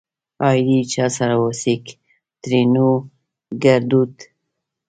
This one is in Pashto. آئيدې چا سره اوسيږ؛ ترينو ګړدود